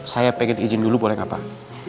saya pengen izin dulu boleh gak pak